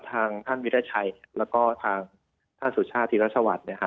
ทางท่านวิทยาชัยแล้วก็ทางท่านสุชาติรัชวรรดิ